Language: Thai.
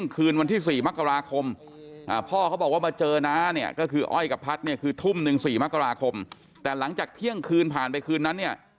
คือทุ่มหนึ่งสี่มกราคมแต่หลังจากเที่ยงคืนผ่านไปคืนนั้นเนี่ย